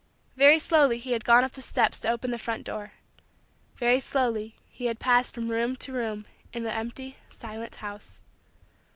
Very slowly he had gone up the steps to open the front door. Very slowly he had passed from room to room in the empty, silent, house.